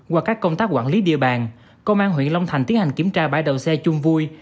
qua các công tác quản lý địa bàn công an huyện long thành tiến hành kiểm tra bãi đầu xe chung vui